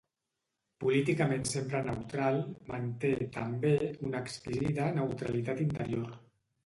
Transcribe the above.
Políticament sempre neutral, manté, també, una exquisida neutralitat interior.